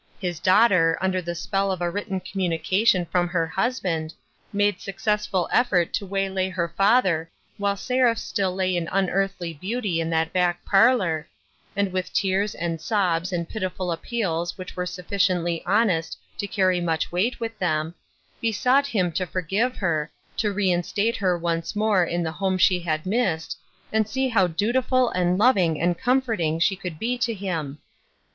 His daughter, under the spell of a written communication from her husband, made successful effort to waylay her father while Seraph still lay in unearthly beauty in that back parlor, and with tears and sobs and pitiful appeals which were sufficiently honest to carry much weight with them, besought him to forgive her, to reinstate her once 282 " O, MAMMA ! GOOD BY !" more in the home she had missed, and see how dutiful and loving and comforting she could be to him.